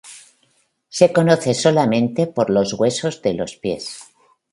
Se conoce solamente por los huesos de los pies.